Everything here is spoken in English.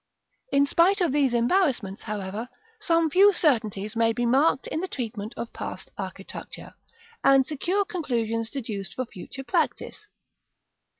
§ VII. In spite of these embarrassments, however, some few certainties may be marked in the treatment of past architecture, and secure conclusions deduced for future practice.